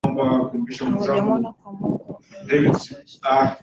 Hawajamwona kwa mwongo mmoja sasa